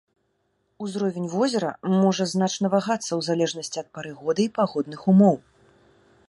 Узровень возера можа значна вагацца у залежнасці ад пары года і пагодных умоў.